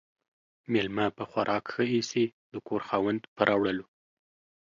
ميلمه په خوراک ِښه ايسي ، د کور خاوند ، په راوړلو.